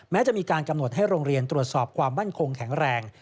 แม้จะมีการกำหนดให้โรงเรียนตรวจสอบความมั่นคงแข็งแรง